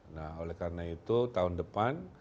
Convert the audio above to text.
nah oleh karena itu tahun depan